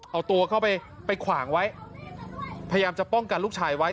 เอาตัวเข้าไปไปขวางไว้พยายามจะป้องกันลูกชายไว้